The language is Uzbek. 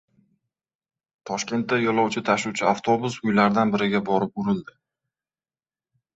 Toshkentda yo‘lovchi tashuvchi avtobus uylardan biriga borib urildi